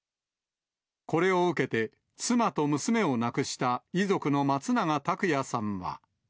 これを受けて、妻と娘を亡くした遺族の松永拓也さんは。